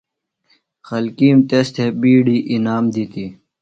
خلکِیم تس تھےۡ بِیڈیۡ انعام دِتیۡ۔